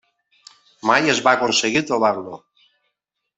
Mai es va aconseguir trobar-lo.